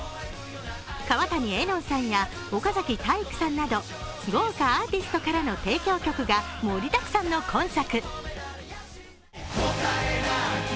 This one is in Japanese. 川谷絵音さんや岡崎体育さんなど豪華アーティストからの提供曲が盛りだくさんの今作。